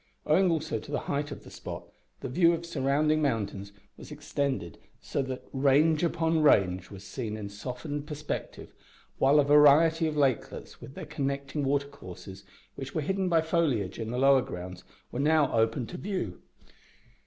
Owing also to the height of the spot, the view of surrounding mountains was extended, so that range upon range was seen in softened perspective, while a variety of lakelets, with their connecting watercourses, which were hidden by foliage in the lower grounds, were now opened up to view.